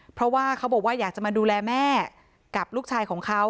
เพราะว่าเขาบอกว่าอยากจะมาดูแลแม่กับลูกชายของเขา